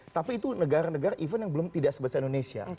tapi itu negara negara event yang belum tidak sebesar indonesia